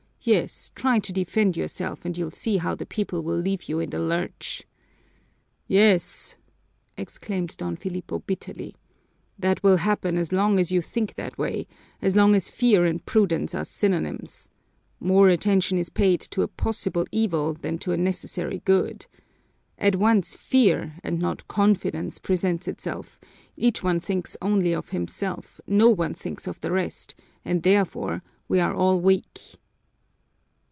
Yes, try to defend yourself and you'll see how the people will leave you in the lurch." "Yes!" exclaimed Don Filipo bitterly. "That will happen as long as you think that way, as long as fear and prudence are synonyms. More attention is paid to a possible evil than to a necessary good. At once fear, and not confidence, presents itself; each one thinks only of himself, no one thinks of the rest, and therefore we are all weak!"